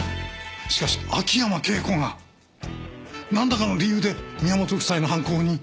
しかし秋山圭子がなんらかの理由で宮本夫妻の犯行に気がついた。